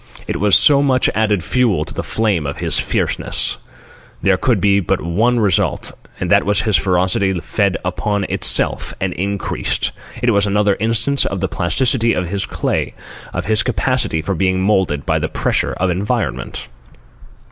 It was so much added fuel to the flame of his fierceness. There could be but one result, and that was that his ferocity fed upon itself and increased. It was another instance of the plasticity of his clay, of his capacity for being moulded by the pressure of environment.